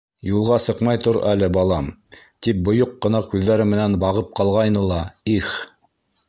Юлға сыҡмай тор әле, балам, тип бойоҡ ҡына күҙҙәре менән бағып ҡалғайны ла, их...